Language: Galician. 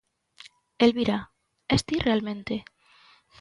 _Elvira, ¿es ti realmente?